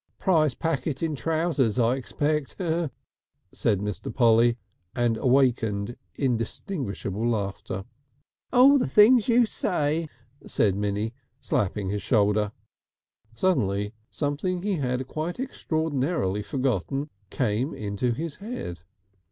"Prize packet in trousers, I expect," said Mr. Polly, and awakened inextinguishable laughter. "Oh! the things you say!" said Minnie, slapping his shoulder. Suddenly something he had quite extraordinarily forgotten came into his head.